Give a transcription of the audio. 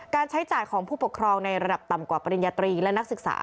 ใช้จ่ายของผู้ปกครองในระดับต่ำกว่าปริญญาตรีและนักศึกษา